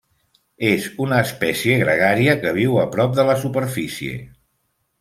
És una espècie gregària que viu a prop de la superfície.